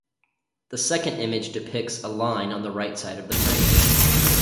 The second image depicts a line on the right side of the frame.